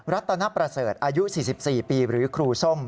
รัตนประเสริฐอายุ๔๔ปีหรือครูส้ม